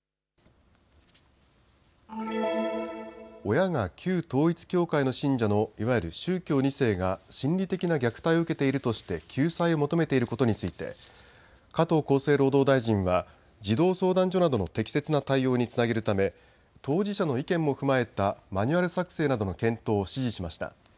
親が旧統一教会の信者のいわゆる宗教２世が心理的な虐待を受けているとして救済を求めていることについて加藤厚生労働大臣は児童相談所などの適切な対応につなげるため当事者の意見も踏まえたマニュアル作成などの検討を指示しました。